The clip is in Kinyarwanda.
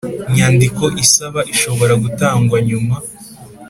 Nyandiko isaba ishobora gutangwa nyuma